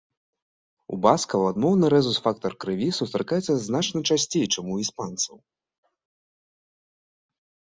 У баскаў адмоўны рэзус-фактар крыві сустракаецца значна часцей, чым у іспанцаў.